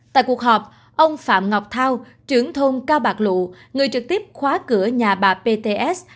tại cuộc họp ông phạm ngọc thao trưởng thôn cao bạc lụ người trực tiếp khóa cửa nhà bà pts